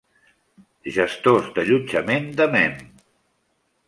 Gestors d'allotjament de mem.